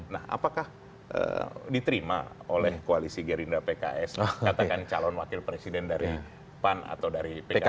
nah apakah diterima oleh koalisi gerinda pks katakan calon wakil presiden dari pan atau dari pks